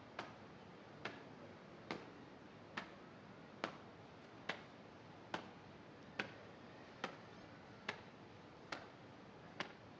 laporan komandan upacara kepada inspektur upacara